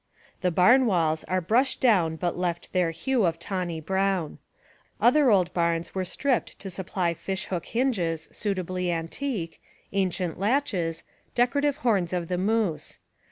The barn walls were brushed down but left their hue of tawny brown. Other old barns were stripped to supply fish hook hinges, suitably antique; ancient latches, decorative horns of the moose.